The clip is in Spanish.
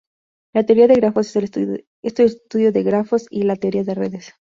La teoría de grafos es el estudio de grafos y la teoría de redes.